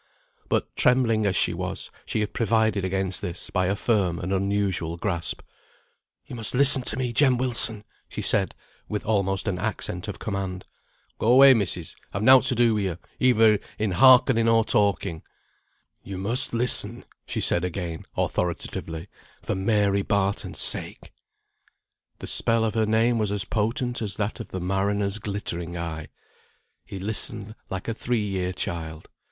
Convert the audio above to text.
But trembling as she was, she had provided against this by a firm and unusual grasp. "You must listen to me, Jem Wilson," she said, with almost an accent of command. "Go away, missis; I've nought to do with you, either in hearkening, or talking." He made another struggle. "You must listen," she said again, authoritatively, "for Mary Barton's sake." The spell of her name was as potent as that of the mariner's glittering eye. "He listened like a three year child."